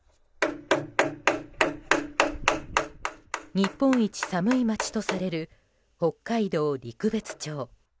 日本一寒い町とされる北海道陸別町。